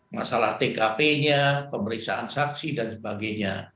masalah tkp nya pemeriksaan saksi dan sebagainya